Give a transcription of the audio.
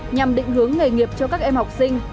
nhằm định hướng nghề nghiệp cho các em học sinh